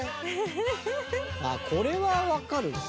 これは、わかる。